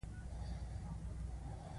د پکتیکا په سروضه کې د څه شي نښې دي؟